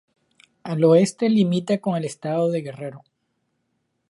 Al oeste limita con el estado de Guerrero.